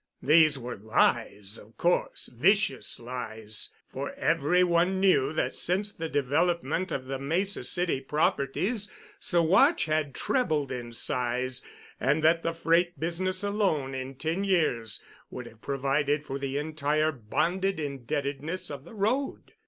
These were lies of course, vicious lies, for every one knew that since the development of the Mesa City properties Saguache had trebled in size, and that the freight business alone in ten years would have provided for the entire bonded indebtedness of the road.